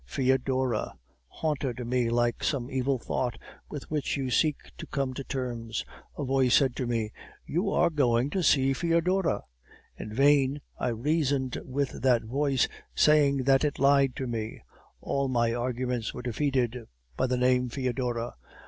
FOEDORA haunted me like some evil thought, with which you seek to come to terms. A voice said in me, 'You are going to see Foedora!' In vain I reasoned with that voice, saying that it lied to me; all my arguments were defeated by the name 'Foedora.